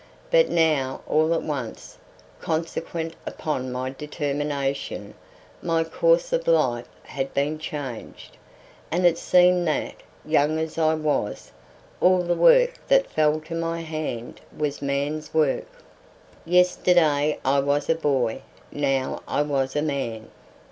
But now all at once, consequent upon my determination, my course of life had been changed, and it seemed that, young as I was, all the work that fell to my hand was man's work. Yesterday I was a boy, now I was a man.